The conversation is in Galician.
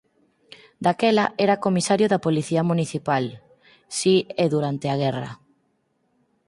Daquela era comisario da Policía Municipal… Si, e durante a guerra…